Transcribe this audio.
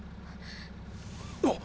あっ！